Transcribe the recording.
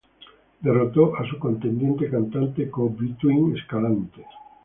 Derrotó a su contendiente cantante co-Bituin Escalante.